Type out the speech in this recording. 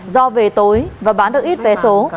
do về tối và bán được ít vé số